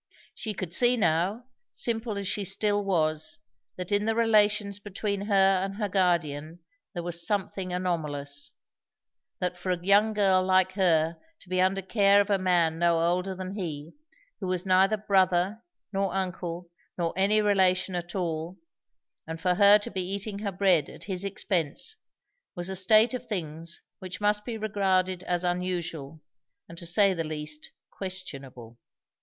She could see now, simple as she was still, that in the relations between her and her guardian there was something anomalous; that for a young girl like her to be under care of a man no older than he, who was neither brother nor uncle nor any relation at all, and for her to be eating her bread at his expense, was a state of things which must be regarded as unusual, and to say the least, questionable.